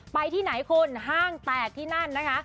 ไปที่ไหนคุณห้างแตกที่นั่นนะคะ